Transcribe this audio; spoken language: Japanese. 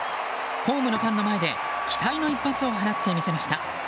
ホームのファンの前で期待の一発を放ってみせました。